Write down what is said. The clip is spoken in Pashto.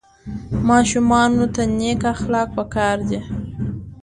ماشومانو ته نیک اخلاق په کار دي.